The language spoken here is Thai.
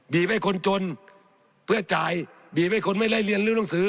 ให้คนจนเพื่อจ่ายบีบให้คนไม่ไล่เรียนลื้อหนังสือ